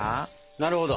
なるほど。